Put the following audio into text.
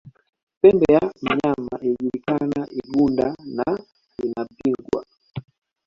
Pembe ya mnyama ikijuliakana igunda na inapigwa